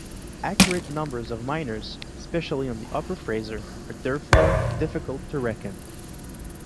Accurate numbers of miners, especially on the upper Fraser, are therefore difficult to reckon.